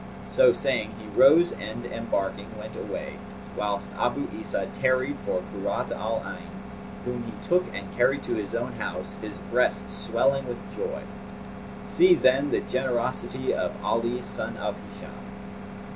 So saying, he rose and embarking, went away, whilst Abu Isa tarried for Kurrat al Ayn, whom he took and carried to his own house, his breast swelling with joy. See then the generosity of Ali son of Hisham!